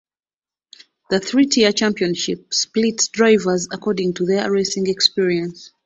The three tier championship splits drivers according to their racing experience.